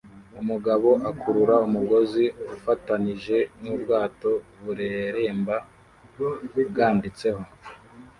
Umugabo akurura umugozi ufatanije nubwato bureremba bwanditseho "